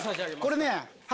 これね。